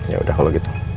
yaudah kalau gitu